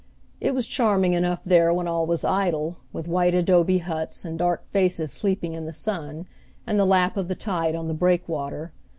It was charming enough there when all was idle, with white adobe huts, and dark faces sleeping in the sun, and the lap of the tide on the breakwater.